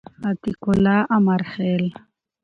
عتیق الله امرخیل